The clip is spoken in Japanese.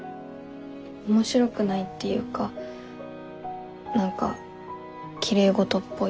面白くないっていうか何かきれいごとっぽい。